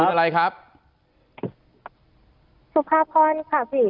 สุภาพรค่ะพี่